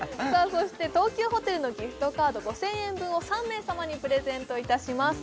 そして東急ホテルのギフトカード５０００円分を３名様にプレゼントいたします